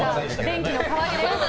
電気の代わりです。